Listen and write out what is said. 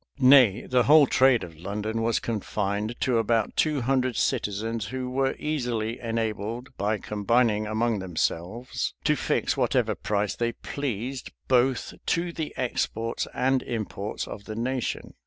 [*] Nay, the whole trade of London was confined to about two hundred citizens,[] who were easily enabled, by combining among themselves, to fix whatever price they pleased both to the exports and imports of the nation.